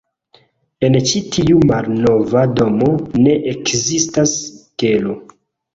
En ĉi tiu malnova domo, ne ekzistas kelo.